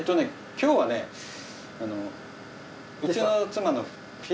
今日はねうちの妻の。